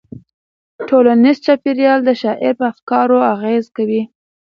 ټولنیز چاپیریال د شاعر په افکارو اغېز کوي.